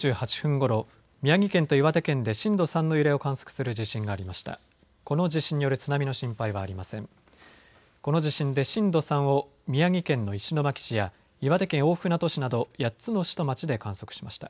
この地震で震度３を宮城県の石巻市や岩手県大船渡市など８つの市と町で観測しました。